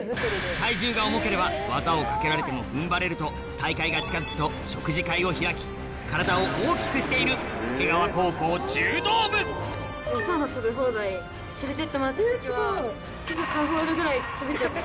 体重が重ければ技をかけられても踏ん張れると大会が近づくと食事会を開き体を大きくしている桶川高校柔道部ぐらい食べちゃって。